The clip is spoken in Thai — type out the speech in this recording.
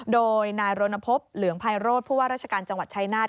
โดยนายรณพบเหลืองไพโรธผู้ว่าราชการจังหวัดชายนาฏ